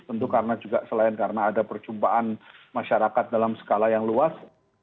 tentu karena juga selain karena ada perjumpaan masyarakat dalam skala yang luas